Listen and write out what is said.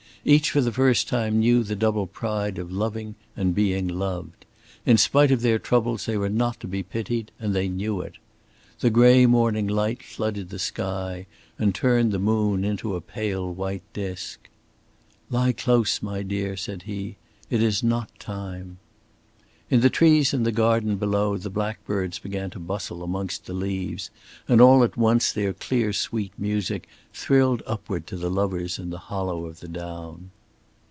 Each for the first time knew the double pride of loving and being loved. In spite of their troubles they were not to be pitied, and they knew it. The gray morning light flooded the sky and turned the moon into a pale white disk. "Lie close, my dear," said he. "It is not time." In the trees in the garden below the blackbirds began to bustle amongst the leaves, and all at once their clear, sweet music thrilled upward to the lovers in the hollow of the down.